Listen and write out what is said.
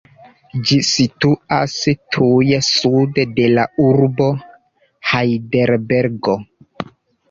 Ĝi situas tuj sude de la urbo Hajdelbergo.